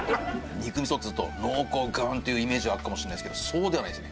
肉みそっつうと濃厚ガーンっていうイメージがあるかもしれないですけどそうではないですね。